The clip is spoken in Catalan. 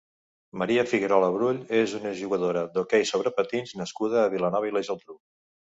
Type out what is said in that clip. Maria Figuerola Brull és una jugadora d'hoquei sobre patins nascuda a Vilanova i la Geltrú.